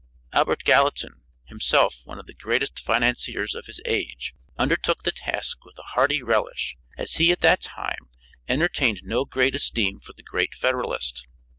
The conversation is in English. Albert Gallatin, himself one of the greatest financiers of his age, undertook the task with a hearty relish as he at that time entertained no great esteem for the great Federalist.